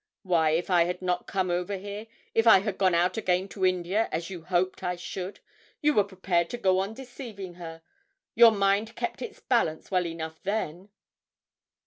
Why, if I had not come over here, if I had gone out again to India as you hoped I should, you were prepared to go on deceiving her your mind kept its balance well enough then!'